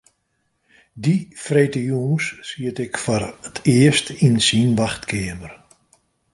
Dy freedtejûns siet ik foar it earst yn syn wachtkeamer.